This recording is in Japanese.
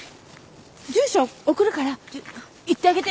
住所送るから行ってあげて。